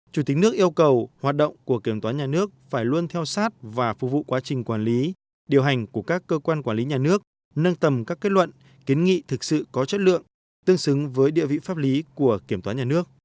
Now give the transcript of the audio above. chủ tịch nước yêu cầu hoạt động của kiểm toán nhà nước phải luôn theo sát và phục vụ quá trình quản lý điều hành của các cơ quan quản lý nhà nước nâng tầm các kết luận kiến nghị thực sự có chất lượng tương xứng với địa vị pháp lý của kiểm toán nhà nước